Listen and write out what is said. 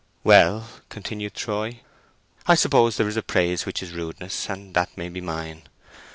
"Well," continued Troy, "I suppose there is a praise which is rudeness, and that may be mine.